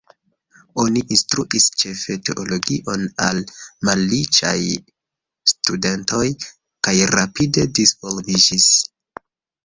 Oni instruis ĉefe teologion al malriĉaj studentoj, kaj rapide disvolviĝis.